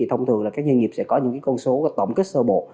thông thường là các doanh nghiệp sẽ có những con số tổng kết sơ bộ